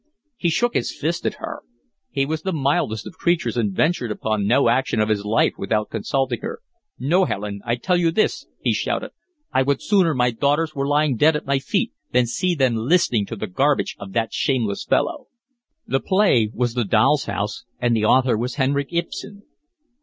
He shook his fist at her. He was the mildest of creatures and ventured upon no action of his life without consulting her. "No, Helene, I tell you this," he shouted. "I would sooner my daughters were lying dead at my feet than see them listening to the garbage of that shameless fellow." The play was The Doll's House and the author was Henrik Ibsen.